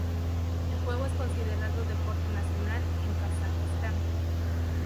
El juego es considerado deporte nacional en Kazajistán.